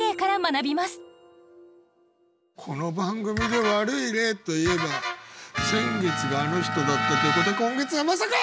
この番組で悪い例といえば先月があの人だったということは今月はまさか！